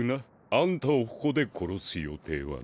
あんたをここで殺す予定はない。